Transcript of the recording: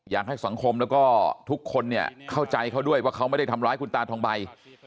อยากให้สังคมแล้วก็ทุกคนเนี่ยเข้าใจเขาด้วยว่าเขาไม่ได้ทำร้ายคุณตาทองใบ